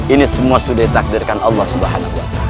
ini semua sudah ditakdirkan allah swt